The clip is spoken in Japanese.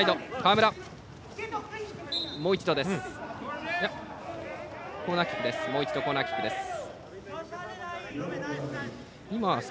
もう一度コーナーキックです。